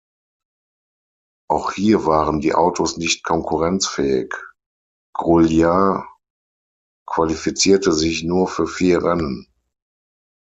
Auch hier waren die Autos nicht konkurrenzfähig; Grouillard qualifizierte sich nur für vier Rennen.